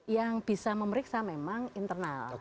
yang bisa memeriksa memang internal